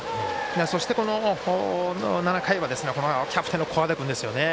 そして、この７回はキャプテンの古和田君ですよね。